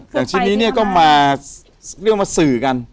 อย่างที่นี่ก็มาเรียกว่าสื่อกัน